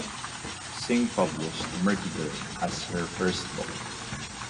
Singh published "Murky girl" as her first book.